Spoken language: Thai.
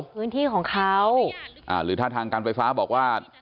พื้นที่ของเขาอ่าหรือถ้าทางการไฟฟ้าบอกว่า